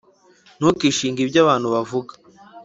ntukishinge ibyo abantu bavuga.